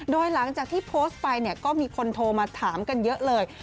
โดยหลังจากที่โพสต์ไปเนี่ยก็มีคนโทรมาถามกันเยอะเลย